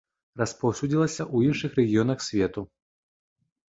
Распаўсюдзілася ў іншых рэгіёнах свету.